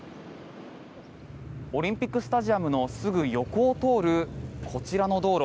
オリンピックスタジアムのすぐ横を通るこちらの道路